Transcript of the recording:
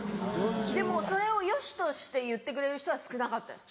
でもそれをよしとして言ってくれる人は少なかったです。